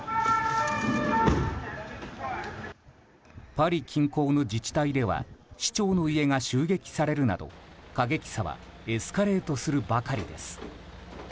パリ近郊の自治体では市長の家が襲撃されるなど過激さはエスカレートするばかりです。